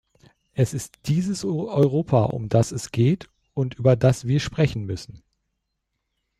Es ist dieses Europa, um das es geht und über das wir sprechen müssen.